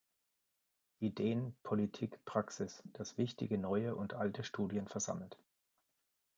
Ideen, Politik, Praxis", das wichtige neue und alte Studien versammelt.